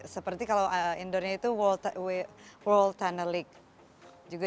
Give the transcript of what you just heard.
seperti kalau indoornya itu world tunnel league